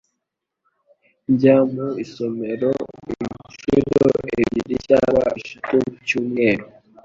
Njya mu isomero inshuro ebyiri cyangwa eshatu mu cyumweru.